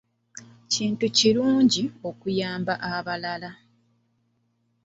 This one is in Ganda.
Kintu kirungi okuyamba abalala.